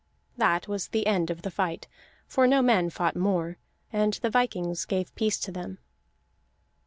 That was the end of the fight, for no men fought more, and the vikings gave peace to them.